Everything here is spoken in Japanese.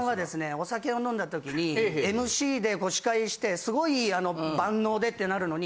お酒を飲んだときにＭＣで司会してすごい万能でってなるのに。